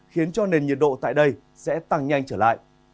khiến cho nền nhiệt độ tại đây sẽ tăng nhanh trở lại